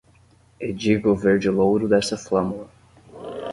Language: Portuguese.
E diga o verde-louro dessa flâmula